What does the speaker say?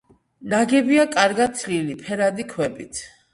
ნაგებია კარგად თლილი, ფერადი ქვებით.